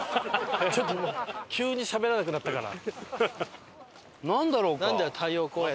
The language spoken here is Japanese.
ちょっと急にしゃべらなくなったから。